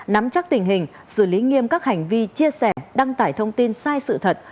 nắm chắc tình hình xử lý nghiêm các hành vi chia sẻ đăng tải thông tin sai sự thật